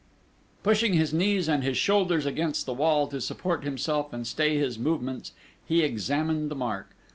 Pushing his knees and his shoulders against the wall to support himself and stay his movements, he examined the mark.